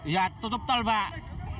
ya tutup tol mbak